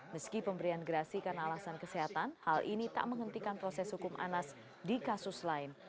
meski pemberian gerasi karena alasan kesehatan hal ini tak menghentikan proses hukum anas di kasus lain